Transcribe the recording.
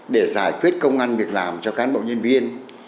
để giải quyết công an việc làm cho cán bộ nhân viên